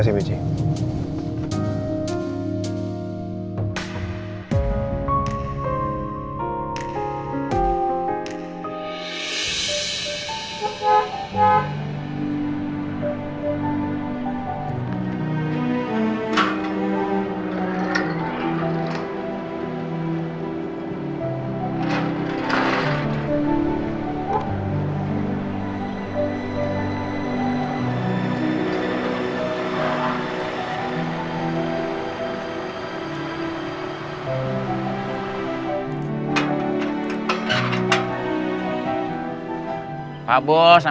oh ternyata tidak ada asta